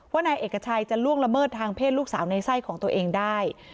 นายเอกชัยจะล่วงละเมิดทางเพศลูกสาวในไส้ของตัวเองได้